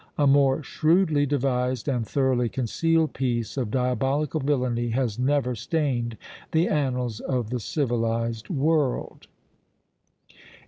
A more shrewdly devised and thoroughly concealed piece of diabolical villainy has never stained the annals of the civilized world!"